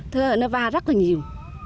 thứ hai là nó va rất là nhiều